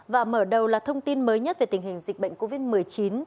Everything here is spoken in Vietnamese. và mở đầu là thông tin mới nhất về tình hình dịch bệnh covid một mươi chín